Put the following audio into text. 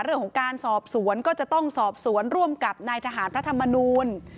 เรื่องของการสอบสวนก็จะต้องสอบสวนร่วมกับนายทหารพระธรรมนูล